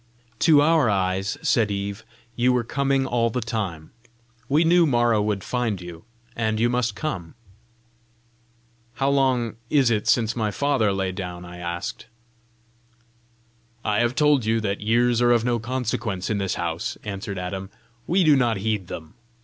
"To our eyes," said Eve, "you were coming all the time: we knew Mara would find you, and you must come!" "How long is it since my father lay down?" I asked. "I have told you that years are of no consequence in this house," answered Adam; "we do not heed them.